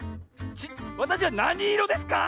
わたしはなにいろですか？